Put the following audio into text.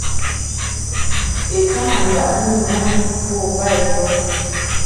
I ka ma ndaʼni na i bo ba i bə.